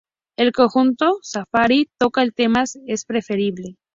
El conjunto "Safari" toca el tema "Es preferible".